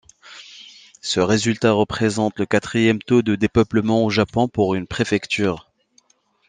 Ce résultat représente le quatrième taux de dépeuplement au Japon pour une préfecture.